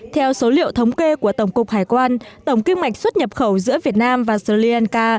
theo số liệu thống kê của tổng cục hải quan tổng kim ngạch xuất nhập khẩu giữa việt nam và sri lanka